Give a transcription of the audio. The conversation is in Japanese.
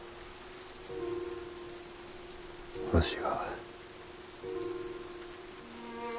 わしが。